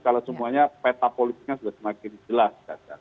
kalau semuanya peta politiknya sudah semakin jelas